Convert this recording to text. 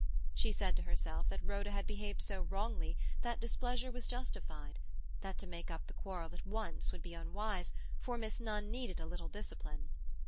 She said to herself that Rhoda had behaved so wrongly that displeasure was justified, that to make up the quarrel at once would be unwise, for Miss Nunn needed a little discipline.